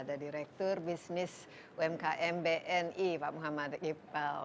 ada direktur bisnis umkm bni pak muhammad iqbal